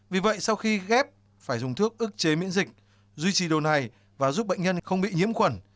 vì vậy sau khi ghép phải dùng thuốc ức chế miễn dịch duy trì đồ này và giúp bệnh nhân không bị nhiễm khuẩn